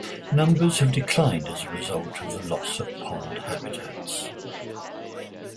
Numbers have declined as a result of the loss of pond habitats.